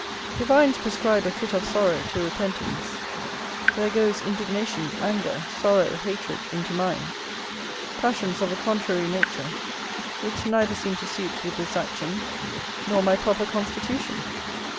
Divines prescribe a fit of sorrow to repentance: there goes indignation, anger, sorrow, hatred, into mine, passions of a contrary nature, which neither seem to suit with this action, nor my proper constitution.